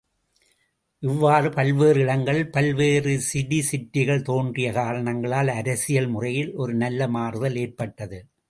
இவ்வாறு பல்வேறு இடங்களில் பல்வேறு சிடி ஸ்டேட்டுகள் தோன்றிய காரணங்களால் அரசியல் முறையில் ஒரு நல்ல மாறுதல் ஏற்பட்டது.